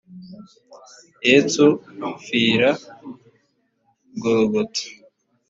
yesu apfira i gologota